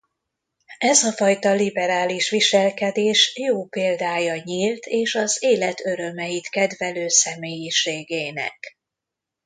Ez a fajta liberális viselkedés jó példája nyílt és az élet örömeit kedvelő személyiségének.